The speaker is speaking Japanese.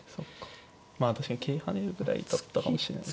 まあ確かに桂跳ねるぐらいだったかもしれない。